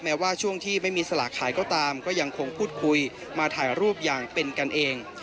แม้ว่าช่วงที่ไม่มีสลากขายก็ตามก็ยังคงพูดคุยมาถ่ายรูปอย่างเป็นกันเอง